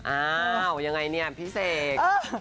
อ้าวยังไงเนี่ยพี่เสก